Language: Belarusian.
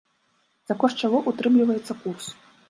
За кошт чаго ўтрымліваецца курс?